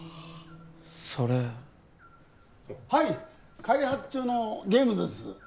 それはい開発中のゲームです